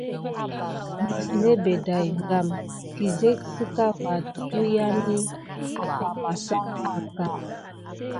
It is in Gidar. Mis nebet day game kisigué sika va tuyani akamasan aka.